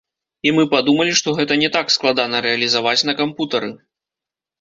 І мы падумалі, што гэта не так складана рэалізаваць на кампутары!